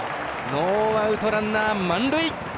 ノーアウト、ランナー満塁。